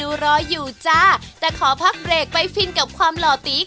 โอ้ยจะทำยังไงดีนะวันนี้